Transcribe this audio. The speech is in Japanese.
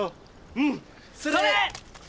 うん。それ！